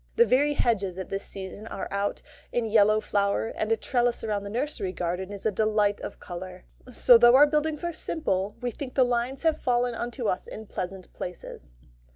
The very hedges at this season are out in yellow flower, and a trellis round the nursery kitchen is a delight of colour; so though our buildings are simple, we think the lines have fallen unto us in pleasant places.